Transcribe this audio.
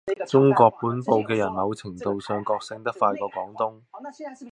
中國本部嘅人某程度上覺醒得快過廣東